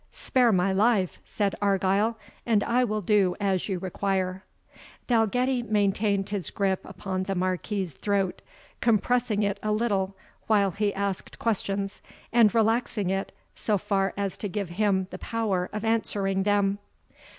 "Spare my life," said Argyle, "and I will do as you require." Dalgetty maintained his gripe upon the Marquis's throat, compressing it a little while he asked questions, and relaxing it so far as to give him the power of answering them.